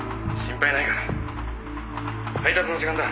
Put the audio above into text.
「配達の時間だ。